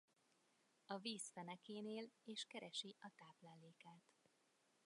A víz fenekén él és keresi a táplálékát.